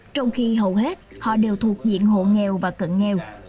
trong khi hầu hết họ đều thuộc diện hộ nghèo và cận nghèo